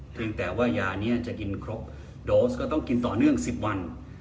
แต่ว่ายานี้จะกินครบโดสก็ต้องกินต่อเนื่อง๑๐วัน